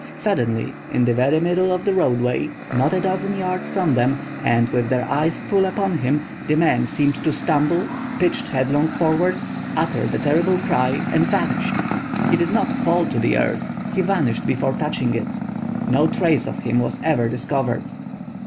Suddenly—in the very middle of the roadway, not a dozen yards from them, and with their eyes full upon him—the man seemed to stumble, pitched headlong forward, uttered a terrible cry and vanished! He did not fall to the earth—he vanished before touching it. No trace of him was ever discovered.